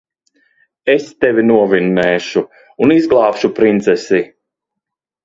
Es tevi novinnēšu un izglābšu princesi.